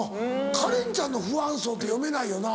カレンちゃんのファン層って読めないよな。